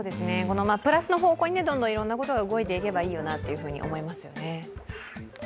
プラスの方向にどんどんいろんなことが動いていけばいいなと思いますよね。